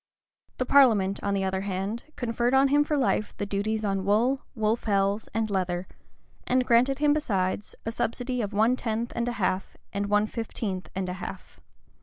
[] The parliament, on the other hand, conferred on him for life the duties on wool, wool fells, and leather, and granted him, besides, a subsidy of one tenth and a half, and one fifteenth and a half.